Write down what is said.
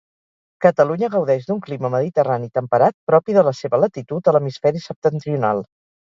Catalunya gaudeix d'un clima mediterrani temperat propi de la seva latitud a l'hemisferi septentrional.